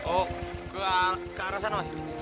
oh ke arah sana mas